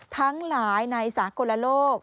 ทั้งหลายในสากลโลก